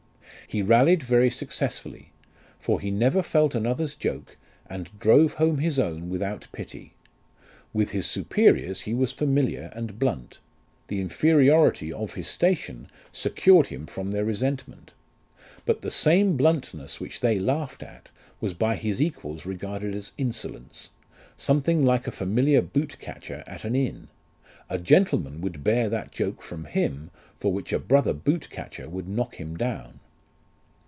He rallied very successfully; for he never felt another's joke, and drove home his own without pity. With his superiors he was familiar and blunt ; the inferiority of his station secured him from their resentment ; but the same bluntness which they laughed at, was by his equals regarded as inso lence something like a familiar boot catcher at an inn ; a gentleman would bear that joke from him, for which a brother boot catcher would knock him down.